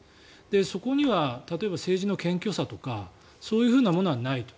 そこには例えば政治の謙虚さとかそういうようなものはないと。